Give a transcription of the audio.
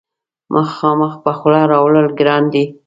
مخامخ په خوله راوړل ګران دي.